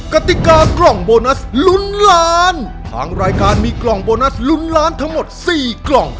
กติกากล่องโบนัสลุ้นล้านทางรายการมีกล่องโบนัสลุ้นล้านทั้งหมดสี่กล่อง